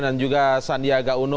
dan juga sandiaga uno